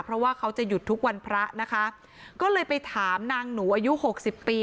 เพราะว่าเขาจะหยุดทุกวันพระนะคะก็เลยไปถามนางหนูอายุหกสิบปี